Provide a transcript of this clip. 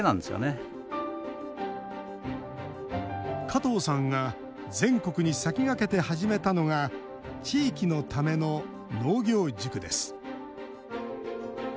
加藤さんが全国に先駆けて始めたのが地域のための農業塾です。